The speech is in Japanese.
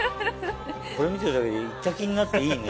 これ見てるだけで行った気になっていいね。